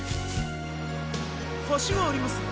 橋があります。